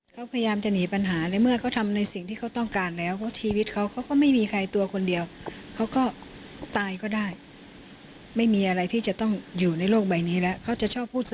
เครียดมากค่ะ